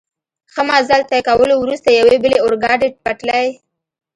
ښه مزل طی کولو وروسته، یوې بلې اورګاډي پټلۍ.